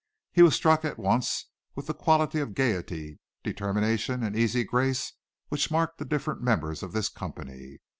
He was struck at once with the quality of gaiety, determination and easy grace which marked the different members of this company.